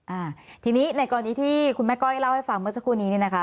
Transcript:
อ่าทีนี้ในกรณีที่คุณแม่ก้อยเล่าให้ฟังเมื่อสักครู่นี้เนี่ยนะคะ